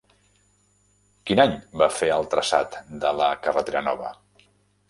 Quin any va fer el traçat de la "carretera nova"?